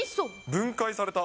分解された。